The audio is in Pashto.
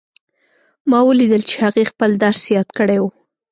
ما ولیدل چې هغې خپل درس یاد کړی وو